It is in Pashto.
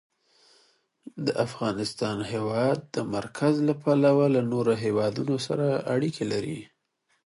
افغانستان د د هېواد مرکز له پلوه له نورو هېوادونو سره اړیکې لري.